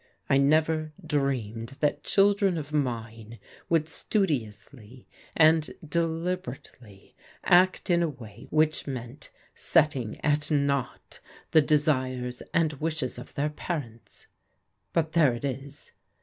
I never dreamed that children of mine would studiously and deliberately act in a way which meant setting at naught the desires and wishes of their parents. But there it is.